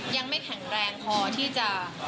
ยังไม่แข็งแรงพอที่จะ